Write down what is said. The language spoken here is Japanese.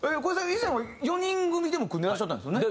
以前は４人組でも組んでいらっしゃったんですよね。